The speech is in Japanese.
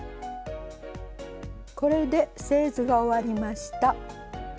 これで製図が終わりました。